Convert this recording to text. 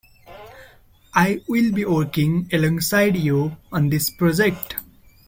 I will be working alongside you on this project.